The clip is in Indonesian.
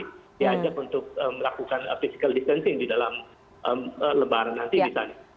diajak untuk melakukan physical distancing di dalam lebaran nanti misalnya